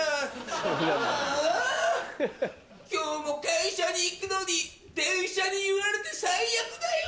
あぁ今日も会社に行くのに電車に揺られて最悪だよ。